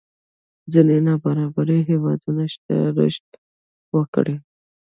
ځينې نابرابرۍ هېوادونو شتمنۍ رشد وکړي.